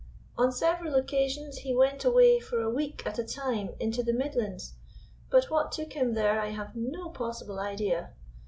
On several occasions he went away for a week at a time into the Midlands, but what took him there I have no possible idea.